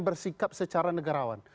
bersikap secara negarawan